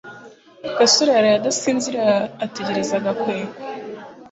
gasore yaraye adasinziriye atekereza gakwego